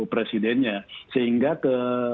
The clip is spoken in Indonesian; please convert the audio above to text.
presidennya sehingga ke